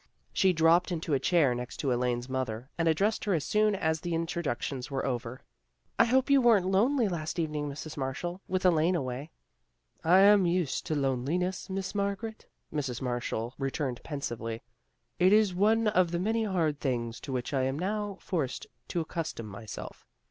She dropped into a chair next to Elaine's mother, and addressed her as soon as the in troductions were over. " I hope you weren't lonely last evening, Mrs. Marshall, with Elaine away." " I am used to loneliness, Miss Margaret," Mrs. Marshall returned pensively. "It is one of the many hard things to which I am now forced to accustom myself.